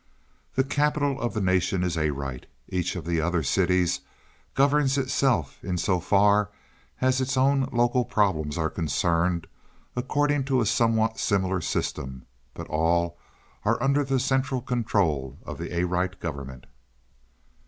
"The capital of the nation is Arite. Each of the other cities governs itself in so far as its own local problems are concerned according to a somewhat similar system, but all are under the central control of the Arite government."